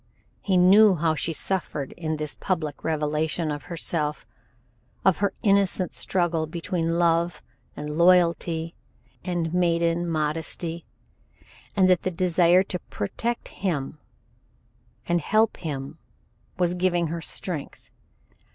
He knew how she suffered in this public revelation of herself of her innocent struggle between love and loyalty, and maiden modesty, and that the desire to protect him and help him was giving her strength.